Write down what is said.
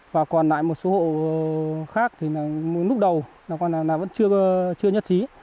và còn lại một số hộ khác thì lúc đầu là vẫn chưa nhất trí